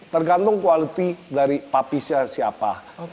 tergantung quality dari pupisnya siapa